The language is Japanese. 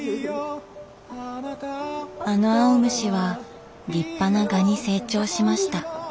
あの青虫は立派な蛾に成長しました。